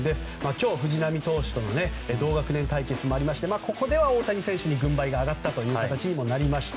今日、藤浪投手との同学年対決がありましてここでは大谷選手に軍配が上がった形になりました。